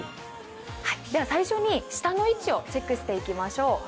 では、最初に舌の位置をチェックしていきましょう。